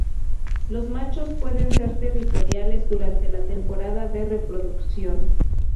Los machos pueden ser territoriales durante la temporada de reproducción.